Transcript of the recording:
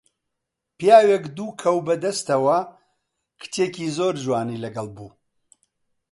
پیاوێک دوو کەو بە دەستەوە، کچێکی زۆر جوانی لەگەڵ بوو